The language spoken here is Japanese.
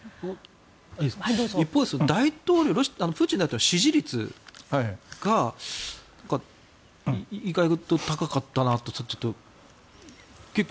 一方でプーチン大統領の支持率が意外と高かったなと結構。